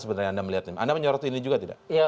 sebenarnya anda melihat ini anda menyoroti ini juga tidak